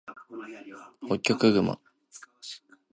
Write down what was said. ホッキョクグマ